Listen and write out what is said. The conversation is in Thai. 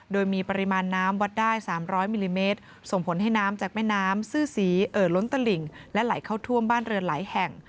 โดยมีปริมาณน้ำวัดได้๓๐๐มิลลิเมตรส่งผลให้น้ำจากแม่น้ำซื่อสีเอ่อล้นตลิ่งและไหลเข้าท่วมบ้านเรือนหลายแห่ง